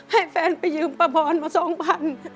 ให้แฟนไปยืมป้าพรมาสองพัน